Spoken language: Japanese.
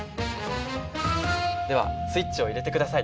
ではスイッチを入れて下さい。